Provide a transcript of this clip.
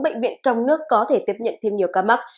bệnh viện trong nước có thể tiếp nhận thêm nhiều ca mắc